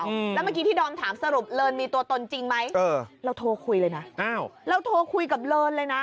แล้วเมื่อกี้ที่ดอมถามสรุปเลินมีตัวตนจริงไหมเออเราโทรคุยเลยนะอ้าวเราโทรคุยกับเลินเลยนะ